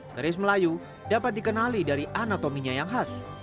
keris melayu dapat dikenali dari anatominya yang khas